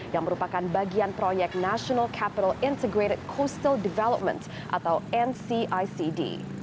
yang merupakan bagian proyek national capital integrated coastal development atau ncicd